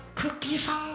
さん